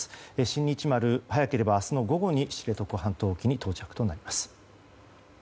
「新日丸」早ければ明日の午後に知床半島沖に到着となります。